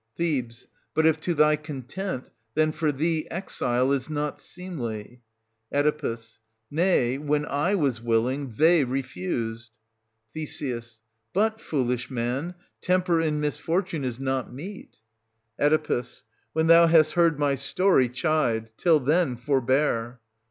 Th. But if to thy content, then for thee exile is not 590 seemly. Oe. Nay, when / was willing, they refused. Th. But, foolish man, temper in misfortune is not meet. Oe. When thou hast heard my story, chide; till then, forbear.